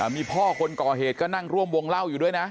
มีพ่อคนก่อเหตุก็นั่งร่วมวงเล่าอยู่ด้วยนะ